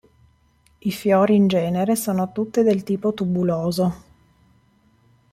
I fiori in genere sono tutti del tipo tubuloso.